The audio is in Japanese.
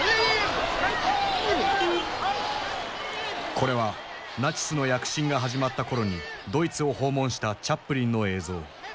これはナチスの躍進が始まった頃にドイツを訪問したチャップリンの映像。